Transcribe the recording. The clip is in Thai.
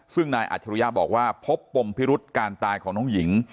ซึ่งนายอัจฉริยะบอกว่าพบปมพิรุษการตายของน้องหญิง